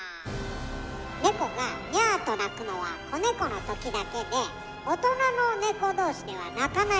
ネコがニャーと鳴くのは子ネコのときだけで大人のネコ同士では鳴かないの。